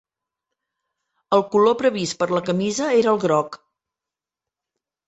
El color previst per la camisa era el groc.